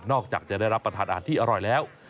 อกจากจะได้รับประทานอาหารที่อร่อยแล้ว